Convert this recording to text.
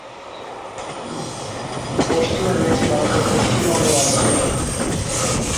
পশ্চিমে রয়েছে ভারতের পশ্চিমবঙ্গ রাজ্য।